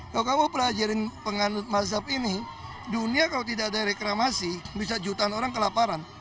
kalau kamu pelajarin penganut mazhab ini dunia kalau tidak ada reklamasi bisa jutaan orang kelaparan